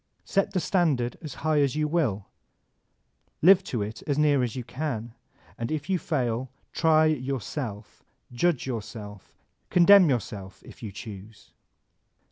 Set the stand ard as high as you will ; live to it as near as you can ; and if you fail, try yourself, judge yourself, condemn your self, if you choose.